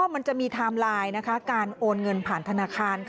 มันจะมีไทม์ไลน์การโอนเงินผ่านธนาคาร